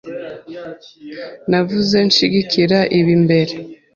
Navuze nshyigikira ibi mbere.